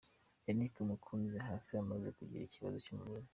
Yannick Mukunzi hasi amaze kugira ikibazo cy'imvune.